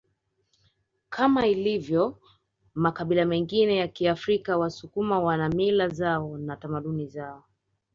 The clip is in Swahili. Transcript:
Kama ilivyo makabila mengine ya Kiafrika wasukuma wana mila zao na tamaduni zao